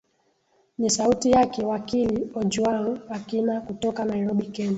ni sauti yake wakili ojwang akina kutoka nairobi kenya